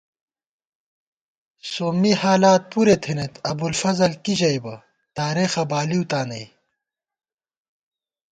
سومّی حالات پُرےتھنئیت ابُوالفضل کی ژئیبہ تارېخہ بالِؤتانئ